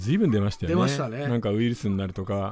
何かウイルスになるとか。